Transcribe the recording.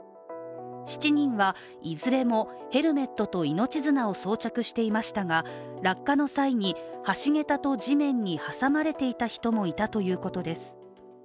７人はいずれもヘルメットと命綱を装着していましたが落下の際に、橋桁と地面に挟まれていた人もいたということです。